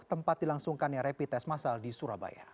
tempat dilangsungkan yang rapid test masal di surabaya